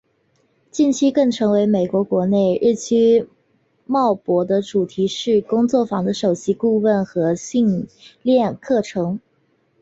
近期更成为美国国内日趋蓬勃的主题式工作坊的首席顾问和训练课程。